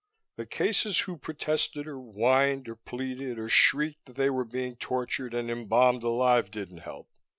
The cases who protested or whined or pleaded or shrieked that they were being tortured and embalmed alive didn't help.